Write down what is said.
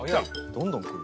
どんどん来る。